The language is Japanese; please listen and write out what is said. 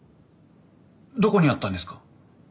どこにあったんですか？